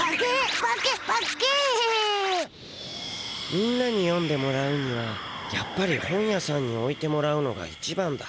みんなに読んでもらうにはやっぱり本屋さんにおいてもらうのがいちばんだ。